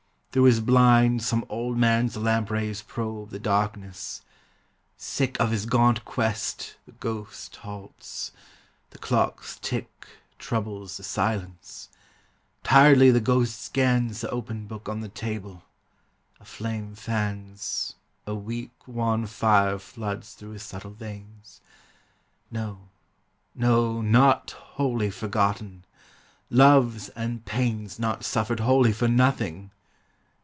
Through his blind Some old man's lamp rays probe the darkness. Sick Of his gaunt quest, the ghost halts. The clock's tick Troubles the silence. Tiredly the ghost scans The opened book on the table. A flame fans, A weak wan fire floods through his subtle veins. No, no, not wholly forgotten ! Loves and pains Not suffered wholly for nothing!